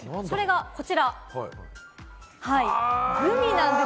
それがこちら、グミなんです。